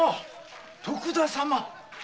徳田様。